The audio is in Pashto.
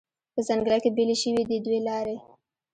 په ځنګله کې بیلې شوې دي دوې لارې